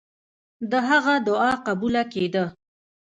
د هغه دعا قبوله کېده.